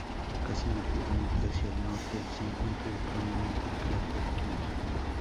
Casi directamente hacia el norte se encuentra el prominente cráter King.